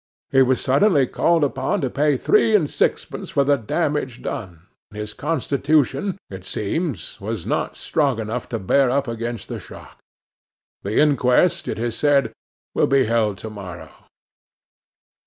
He was suddenly called upon to pay three and sixpence for the damage done, and his constitution, it seems, was not strong enough to bear up against the shock. The inquest, it is said, will be held to morrow.